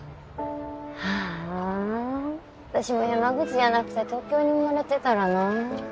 あぁあ私も山口じゃなくて東京に生まれてたらな。